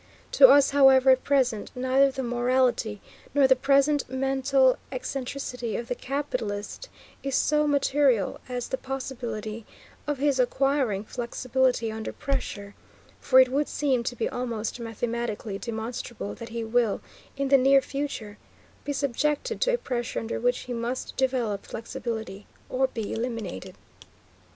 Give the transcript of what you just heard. To us, however, at present, neither the morality nor the present mental excentricity of the capitalist is so material as the possibility of his acquiring flexibility under pressure, for it would seem to be almost mathematically demonstrable that he will, in the near future, be subjected to a pressure under which he must develop flexibility or be eliminated.